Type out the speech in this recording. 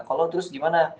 kalau terus gimana